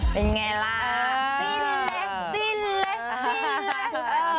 เป็นไงล่ะดินเลยดินเลยดินเลย